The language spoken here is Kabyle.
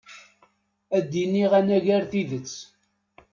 Ad d-iniɣ anagar tidet.